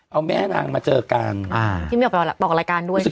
เอาแม่นางมาเจอกันอ่าที่มีอบระดับบิหกรายการด้วยใช่ไหม